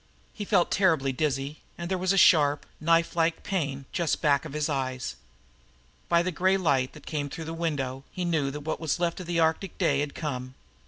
He felt terribly dizzy, and there was a sharp, knife like pain just back of his eyes. By the gray light that came through the one window he knew that what was left of Arctic day had come.